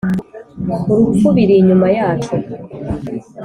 urupfu biri inyuma yacu.